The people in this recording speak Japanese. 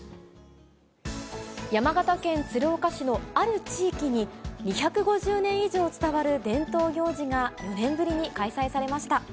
山形県鶴岡市のある地域に、２５０年以上伝わる伝統行事が４年ぶりに開催されました。